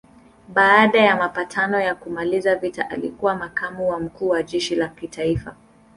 Baada ya mapatano ya kumaliza vita alikuwa makamu wa mkuu wa jeshi la kitaifa.